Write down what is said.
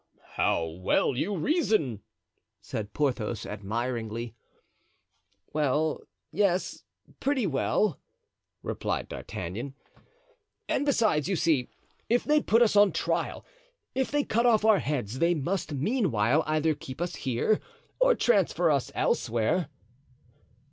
"How well you reason!" said Porthos, admiringly. "Well, yes, pretty well," replied D'Artagnan; "and besides, you see, if they put us on trial, if they cut off our heads, they must meanwhile either keep us here or transfer us elsewhere."